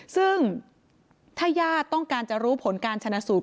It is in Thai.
ซึ่งถ้าญาติต้องการจะรู้ผลการชนะสูตร